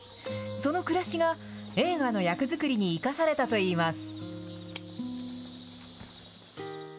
その暮らしが映画の役作りに生かされたといいます。